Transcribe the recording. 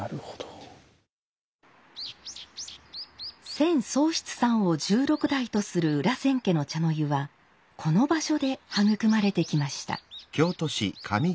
千宗室さんを十六代とする裏千家の茶の湯はこの場所で育まれてきました。